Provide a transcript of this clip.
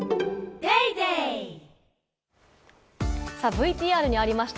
ＶＴＲにもありました